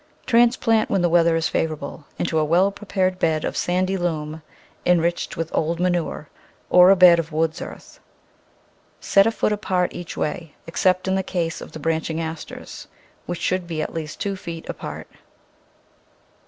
Transplant when the weather is favourable into a well prepared bed of sandy loam enriched with old manure, or a bed of woods earth. Set a foot apart each way, except in the case of the branching Asters, which should be at least two feet apart.